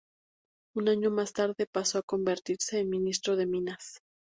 Un año más tarde pasó a convertirse en Ministro de Minas.